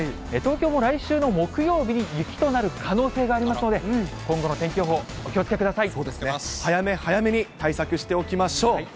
東京も来週の木曜日に雪となる可能性がありますので、今後の天気早め早めに対策しておきましょう。